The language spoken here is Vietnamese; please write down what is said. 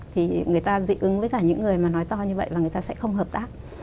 thì người ta dị ứng với cả những người mà nói to như vậy là người ta sẽ không hợp tác